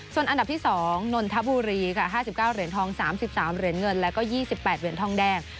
ส่วนอันดับที่๒นนทบุรีค่ะ๕๙เหรียญทอง๓๓เหรียญเงินแล้วก็๒๘เหรียญทองแดง